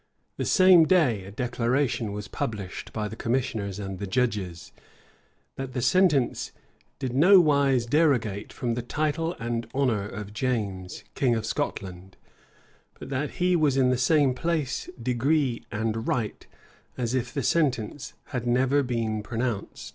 The same day, a declaration was published by the commissioners and the judges "that the sentence did nowise derogate from the title and honor of James, king of Scotland; but that he was in the same place, degree, and right, as if the sentence had never been pronounced."